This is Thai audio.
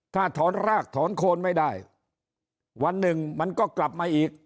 ถ้าถอนรากถอนโคนไม่ได้วันหนึ่งมันก็กลับมาอีก